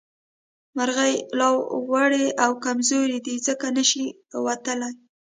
مرغۍ لا وړې او کمزورې دي ځکه نه شي اوتلې